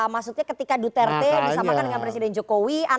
maksudnya ketika duterte disamakan dengan presiden jokowi anaknya duterte diserahkan